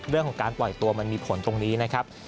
เรื่องของการปล่อยตัวมันมีผลตรงนี้นะครับ